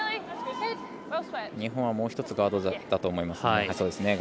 日本はもう１つガードだと思います。